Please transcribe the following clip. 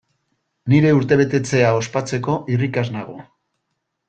Nire urtebetetzea ospatzeko irrikaz nago!